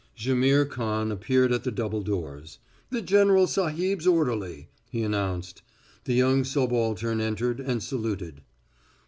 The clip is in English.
Jaimihr Khan appeared at the double doors. "The general sahib's orderly," he announced. The young subaltern entered and saluted.